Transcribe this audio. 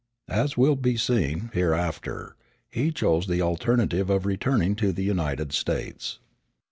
As will be seen hereafter, he chose the alternative of returning to the United States.